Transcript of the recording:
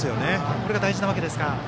これが大事なわけですね。